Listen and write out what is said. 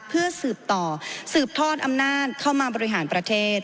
เพื่อสืบต่อสืบทอดอำนาจเข้ามาบริหารประเทศ